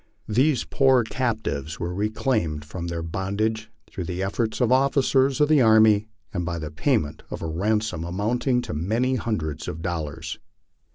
These poor captives were reclaimed from their bondage through the efforts of officers of the army, and by the payment of a ransom amounting to many hundreds of dollars.